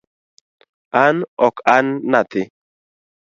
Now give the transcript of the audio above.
An ok an nyathi